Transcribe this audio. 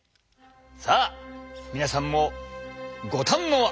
さあ皆さんもご堪能あれ。